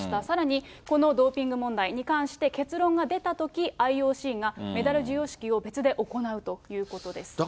さらにこのドーピング問題に関して結論が出たとき、ＩＯＣがメダル授与式を別で行うということです。